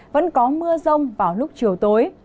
vẫn có mưa rông vào lúc chiều tối